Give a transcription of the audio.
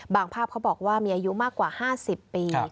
ภาพเขาบอกว่ามีอายุมากกว่า๕๐ปี